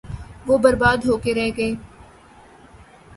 وہ برباد ہو کے رہ گئے۔